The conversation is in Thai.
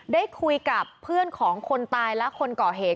ได้คุยกับเพื่อนของคนตายและคนก่อเหตุ